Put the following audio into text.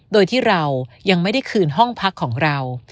โดยที่เรายังไม่ได้คืนห้องพักของเรา